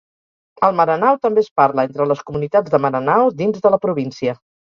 El maranao també es parla entre les comunitats de Maranao dins de la província.